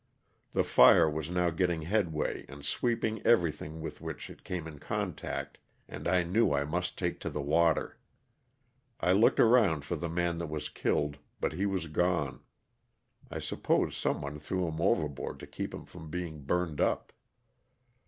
The fire was now getting headway and sweeping everything with which it came in contact, and I knew I must take to the water. I looked around for the man that was killed, but he was gone (I suppose some one threw him overboard to keep him from being burned up).